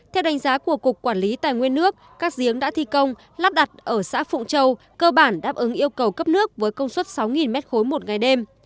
theo đánh giá của cục quản lý tài nguyên nước các giếng đã thi công lắp đặt ở xã phụng châu cơ bản đáp ứng yêu cầu cấp nước với công suất sáu m ba một ngày đêm